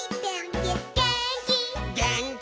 「げーんき」